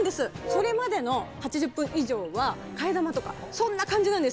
それまでの８０分以上は替え玉とかそんな感じなんです。